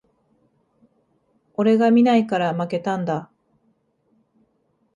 俺が見ないから負けたんだ